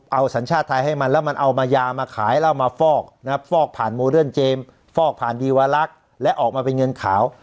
เอาสัญชาติไทยให้มันแล้วมันเอามายามาขายแล้วเอามาฟอกนะครับฟอกผ่านโมเดิร์นเจมส์ฟอกผ่านดีวาลักษณ์และออกมาเป็นเงินขาว